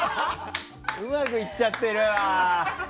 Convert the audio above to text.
うまくいっちゃってるわ！